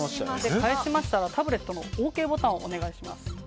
返しましたら、タブレットのＯＫボタンをお願いします。